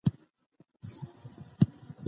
نو هرې نجلۍ ته بايد جلا مهر کښيښوول سي.